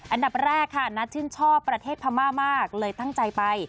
อันดับแรกค่ะนัทชื่นชอบประเทศพม่ามากเลยตั้งใจไป